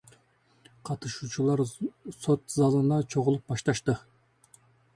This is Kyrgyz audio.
Катышуучулар сот залына чогулуп башташты.